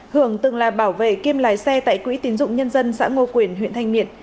hưởng từng là bảo vệ kiêm lái xe tại quỹ tín dụng nhân dân xã ngô quyền huyện thanh miện